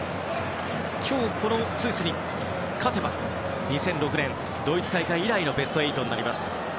今日、このスイスに勝てば２００６年ドイツ大会以来のベスト８になります。